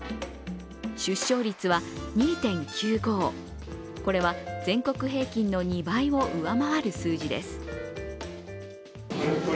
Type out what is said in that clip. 出生率は２．９５、これは全国平均の２倍を上回る数字です。